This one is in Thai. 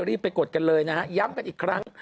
รีบไปกดกันเลยนะฮะย้ำกันอีกครั้ง